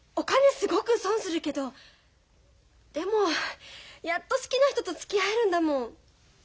すごく損するけどでもやっと好きな人とつきあえるんだもん。